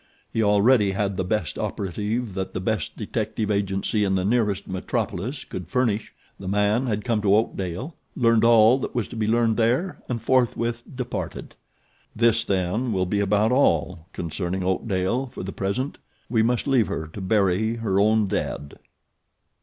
He already had the best operative that the best detective agency in the nearest metropolis could furnish. The man had come to Oakdale, learned all that was to be learned there, and forthwith departed. This, then, will be about all concerning Oakdale for the present. We must leave her to bury her own dead.